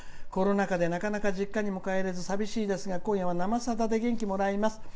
コロナ禍で、なかなか実家にも帰れずさびしいですが今夜は「生さだ」で元気をもらいます。